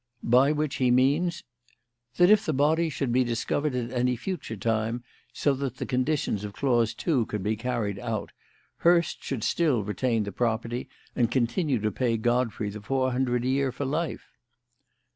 "By which he means?" "That if the body should be discovered at any future time, so that the conditions of clause two could be carried out, Hurst should still retain the property and continue to pay Godfrey the four hundred a year for life."